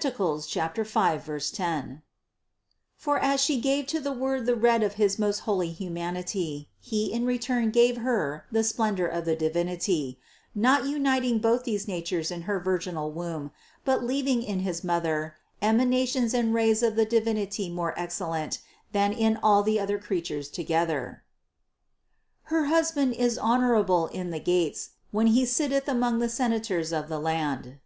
5, 10) ; for as She gave to the Word the red of his most holy Humanity, He in return gave her the splendor 604 CITY OF GOD of the Divinity, not uniting both these natures in her virginal womb, but leaving in his Mother emanations and rays of the Divinity more excellent than in all the other creatures together. 794. "Her husband is honorable in the gates, when he sitteth among the senators of the land."